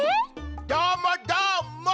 どーもどーも！